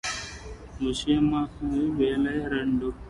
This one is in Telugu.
విషమహీజమునకు వెలయు రెండు